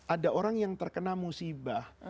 ada orang yang terkena musibah